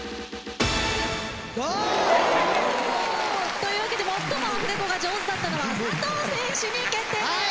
というわけで最もアフレコが上手だったのは佐藤選手に決定です。